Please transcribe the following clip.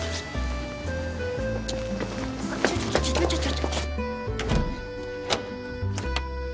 ちょちょちょちょ！